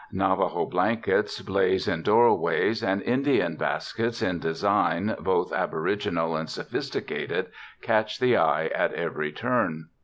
Navajo blankets blaze in doorways and In dian baskets in designs both aboriginal and sophisti cated, catch the eye at every turn.